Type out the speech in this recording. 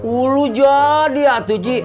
ulu jadi atuh ji